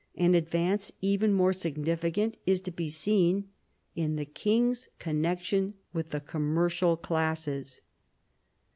An advance even more significant is to be seen in the king's connection with the commercial classes.